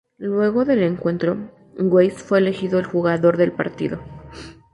Luego del encuentro, Weiss fue elegido el "Jugador del Partido".